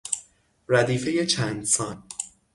ردیفهی چندسان